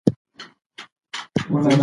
آیا ملت د هیواد ملاتړی نه دی؟